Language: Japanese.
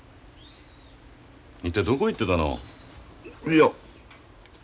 一体どこ行ってたの？いや。